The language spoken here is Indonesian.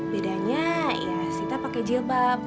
bedanya ya kita pakai jilbab